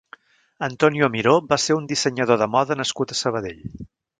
Antonio Miró va ser un dissenyador de moda nascut a Sabadell.